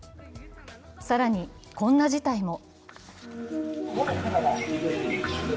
更にこんな事態も。